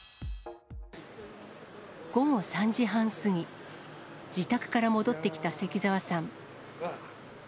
午後３時半過ぎ、自宅から戻ってきた関澤さん。